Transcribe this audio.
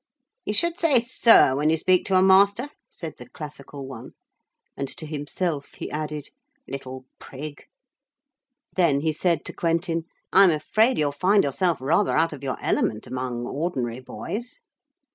'You should say "sir" when you speak to a master,' said the classical one; and to himself he added, 'little prig.' Then he said to Quentin: 'I am afraid you will find yourself rather out of your element among ordinary boys.'